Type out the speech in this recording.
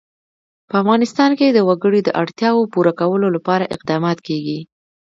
په افغانستان کې د وګړي د اړتیاوو پوره کولو لپاره اقدامات کېږي.